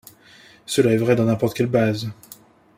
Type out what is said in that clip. Cela est vrai dans n'importe quelle base.